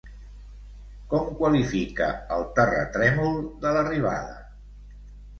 Com qualifica el terratrèmol de l'arribada?